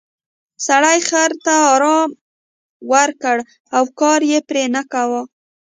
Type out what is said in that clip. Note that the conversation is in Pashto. سړي خر ته ارام ورکړ او کار یې پرې نه کاوه.